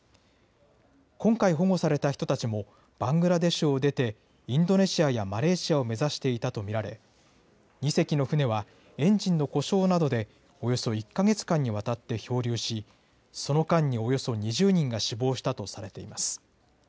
今回、保護された人たちも、バングラデシュを出て、インドネシアやマレーシアを目指していたと見られ、２隻の船は、エンジンの故障などでおよそ１か月間にわたって漂流し、その間におよそ２０人が死亡したとされています。